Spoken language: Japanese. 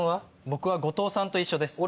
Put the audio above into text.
僕は後藤さんと一緒です。